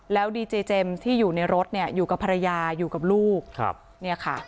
แล้วดีเจเจมส์ที่อยู่ในรถเนี่ยอยู่กับภรรยาอยู่กับลูกครับเนี่ยค่ะ